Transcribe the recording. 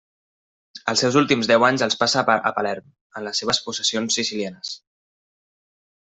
Els seus últims deu anys els passa a Palerm, en les seves possessions sicilianes.